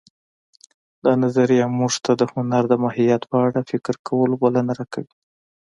دا نظریه موږ ته د هنر د ماهیت په اړه فکر کولو بلنه راکوي